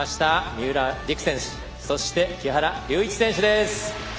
三浦璃来選手そして木原龍一選手です。